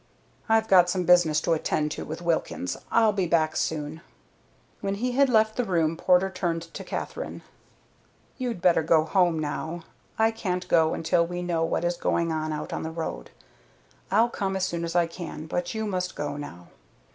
"I've got some business to attend to with Wilkins. I'll be back soon." When he had left the room Porter turned to Katherine. "You'd better go home now. I can't go until we know what is going on out on the road. I'll come as soon as I can, but you must go now."